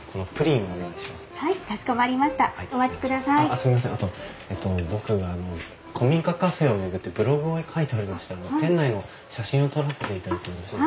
あと僕あの古民家カフェを巡ってブログを書いておりまして店内の写真を撮らせていただいてもよろしいですか？